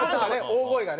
大声がね。